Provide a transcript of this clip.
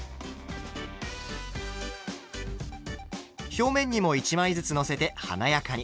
表面にも１枚ずつのせて華やかに。